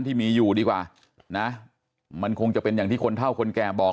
ที่มีอยู่ดีกว่านะมันคงจะเป็นอย่างที่คนเท่าคนแก่บอก